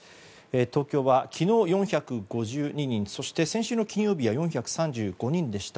東京は昨日４５２人そして、先週の金曜日は４３５人でした。